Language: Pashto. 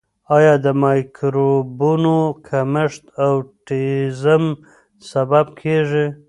آیا د مایکروبونو کمښت د اوټیزم سبب کیږي؟